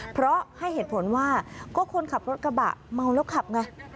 เพราะให้เหตุผลว่าก็คนขับรถกระบะเมาแล้วขับไง